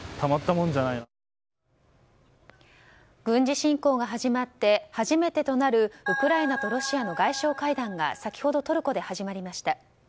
軍事侵攻が始まって初めてとなるウクライナとロシアの外相会談が先ほどトルコで始まりました。